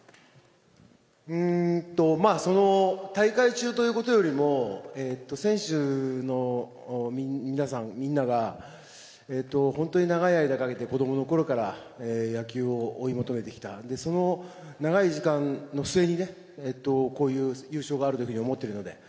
うーんと、その、大会中ということよりも、選手の皆さん、みんなが、本当に長い間かけて子どものころから野球を追い求めてきた、その長い時間の末にね、こういう優勝があるというふうに思ってるので。